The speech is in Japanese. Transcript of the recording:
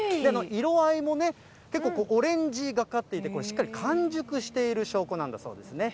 色合いもね、結構オレンジがかっていて、これ、しっかり完熟している証拠なんだそうですね。